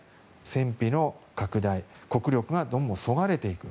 戦費の拡大国力がどうもそがれていく。